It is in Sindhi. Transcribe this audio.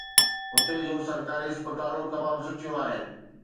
هتي جون سرڪاري اسپتالون تمام سٺيون آهن.